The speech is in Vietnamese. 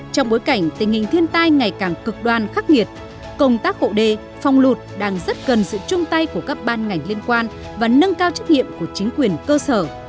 trong bối cảnh tình hình thiên tai ngày càng cực đoan khắc nghiệt công tác hộ đê phòng lụt đang rất cần sự chung tay của các ban ngành liên quan và nâng cao trách nhiệm của chính quyền cơ sở